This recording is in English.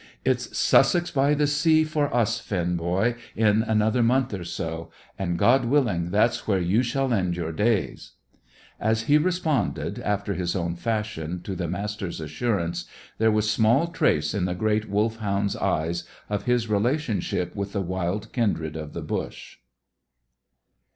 "It's 'Sussex by the sea' for us, Finn, boy, in another month or so; and, God willing, that's where you shall end your days!" As he responded, after his own fashion, to the Master's assurance, there was small trace in the great Wolfhound's eyes of his relationship with the wild kindred of the bush.